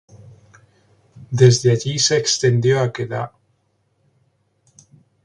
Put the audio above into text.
Desde allí se extendió a Kedah.